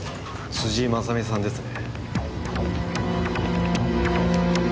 辻正巳さんですね？